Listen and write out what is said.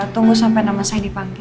tunggu sampai nama saya dipanggil